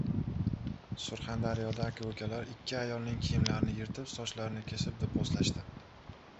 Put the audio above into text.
Surxondaryoda aka-ukalar ikki ayolning kiyimlarini yirtib, sochlarini kesib, do‘pposlashdi